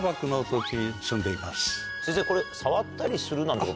先生これ触ったりするなんて。